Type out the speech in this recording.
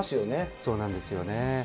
そうなんですよね。